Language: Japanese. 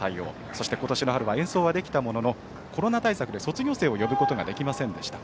そして、今年の春は演奏はできたもののコロナ対策で卒業生を呼ぶことができませんでした。